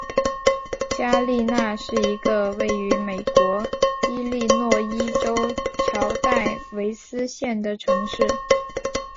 加利纳是一个位于美国伊利诺伊州乔戴维斯县的城市。